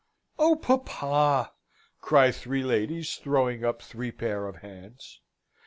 "Oh, papa!" cry three ladies, throwing up three pair of hands.